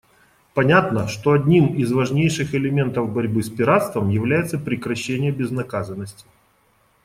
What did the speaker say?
Понятно, что одним из важнейших элементов борьбы с пиратством является прекращение безнаказанности.